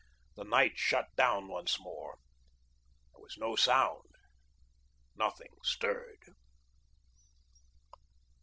The night shut down once more. There was no sound nothing stirred.